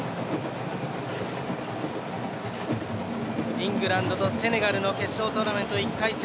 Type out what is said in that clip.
イングランドとセネガルの決勝トーナメント１回戦。